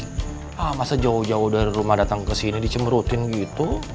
cici a a masa jauh jauh dari rumah datang ke sini dicembrutin gitu